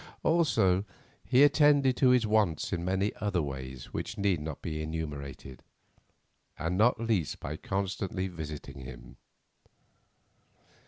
Also, he attended to his wants in many other ways which need not be enumerated, and not least by constantly visiting him.